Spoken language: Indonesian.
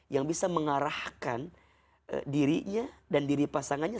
yang bisa mengarahkan dirinya dan diri pasangannya